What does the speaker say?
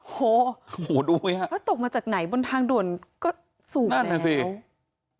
โอ้โหดูไหมแล้วตกมาจากไหนบนทางด่วนก็สูงแล้ว